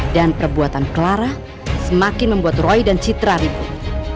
dan perbuatan clara semakin membuat roy dan citra ribut